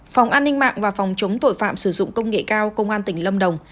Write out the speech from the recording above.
phòng an ninh mạng và phòng chống tội phạm sử dụng công nghệ cao công an tỉnh lâm đồng